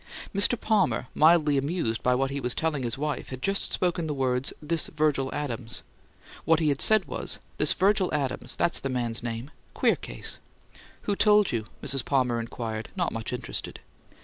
Mr. Palmer, mildly amused by what he was telling his wife, had just spoken the words, "this Virgil Adams." What he had said was, "this Virgil Adams that's the man's name. Queer case." "Who told you?" Mrs. Palmer inquired, not much interested.